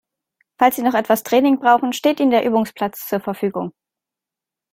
Falls Sie noch etwas Training brauchen, steht Ihnen der Übungsplatz zur Verfügung.